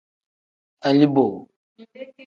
Aliboo.